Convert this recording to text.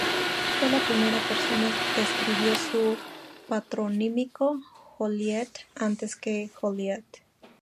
Fue la prima persona que escribió su patronímico "Joliette" antes que "Jolliet".